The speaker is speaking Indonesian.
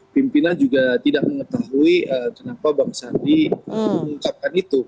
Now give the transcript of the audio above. pimpinan juga tidak mengetahui kenapa bang sandi mengungkapkan itu